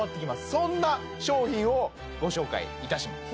そんな商品をご紹介いたします